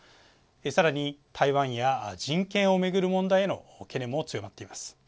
さらに、台湾や人権を巡る問題への懸念も強まっています。